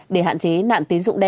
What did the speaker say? để hạn chí nạn tín dụng đeo